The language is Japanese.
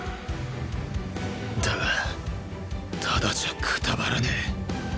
だがタダじゃくたばらねぇ。